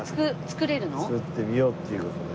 作ってみようっていう事で。